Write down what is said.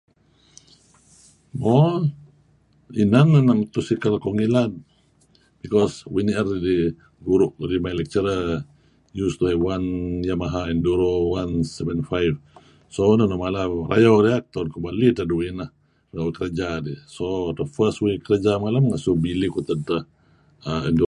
Mo, inan enun motorsikal kuh ngilad, because uih ni'er idih guru' kudih my lecturer use to have one Yamaha Enduro 175 so uih neh mala rayeh uih riyak tu'en kih belih edtah duih neh renga' uih kerja dih so the first first uih kerja malem bilih kuh teh edtah Enduro.